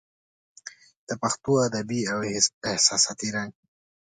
د پښتو ادبي او احساساتي رنګ